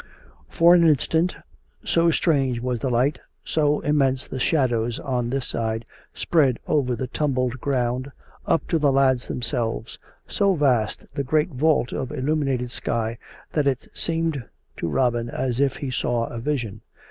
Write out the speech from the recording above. For an instant, so strange was the light, so immense the shadows on this side spread over the tumbled ground up 36 COME RACK! COME ROPE! to the lads themselves, so vast the great vault of illumi nated sky, that it seemed to Robin as if he saw a vision.